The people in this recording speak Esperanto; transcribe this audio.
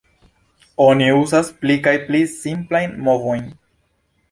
Oni uzas pli kaj pli simplajn movojn.